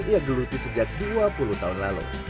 ia geluti sejak dua puluh tahun lalu